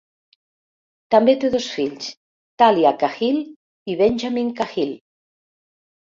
També té dos fills, Tahlia Cahill i Benjamin Cahill.